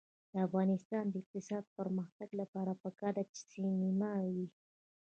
د افغانستان د اقتصادي پرمختګ لپاره پکار ده چې سینما وي.